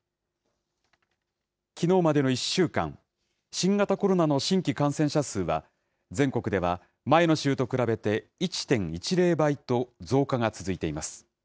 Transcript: きのうまでの１週間、新型コロナの新規感染者数は、全国では前の週と比べて１．１０倍と増加が続いています。